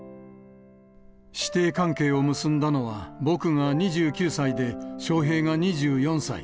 師弟関係を結んだのは、僕が２９歳で笑瓶が２４歳。